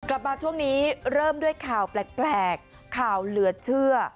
กลับมาช่วงนี้เริ่มด้วยข่าวแปลกข่าวเหลือเชื่อ